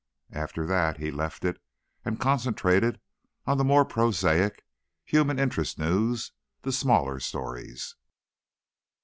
After that, he left it and concentrated on the more prosaic, human interest news, the smaller stories.